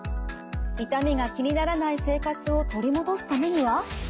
痛みが気にならない生活を取り戻すためには？